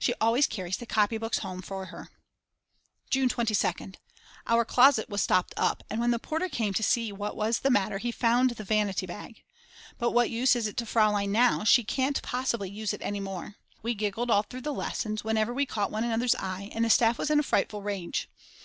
She always carries the copybooks home for her. June 22nd. Our closet was stopped up and when the porter came to see what was the matter he found the vanity bag. But what use is it to Frl. now; she can't possibly use it any more. We giggled all through lessons whenever we caught one another's eye and the staff was in a frightful rage.